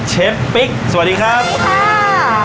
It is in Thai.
เชฟปิ๊กสวัสดีครับ